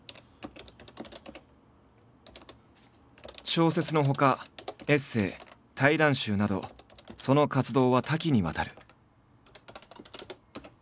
小説のほかエッセー対談集などその活動は多岐にわたる。